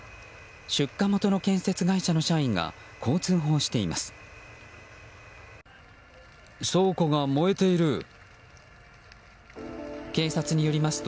出火元の建設会社の社員がこう通報しています。